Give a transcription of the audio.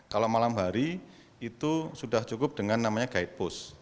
kalau malam hari itu sudah cukup dengan namanya guidepost